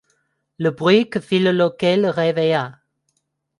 Le bruit que fit le loquet le réveilla.